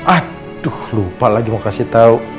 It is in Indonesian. aduh lupa lagi mau kasih tau